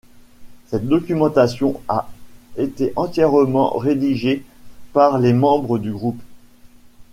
Cette documentation a été entièrement rédigée par les membres du groupe.